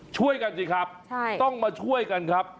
ช่วยกันสิครับต้องมาช่วยกันครับ